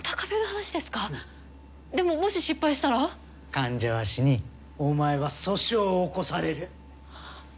患者は死にお前は訴訟を起こされる。